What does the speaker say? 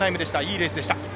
いいレースでした。